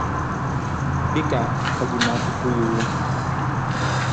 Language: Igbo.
dịka ọ dị n'akwụkwọ iwu.